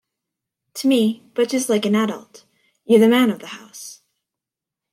To me, butch is like an adult...You're the man of the house.